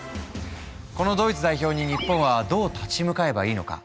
このドイツ代表に日本はどう立ち向かえばいいのか？